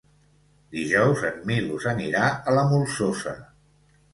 Dijous en Milos anirà a la Molsosa.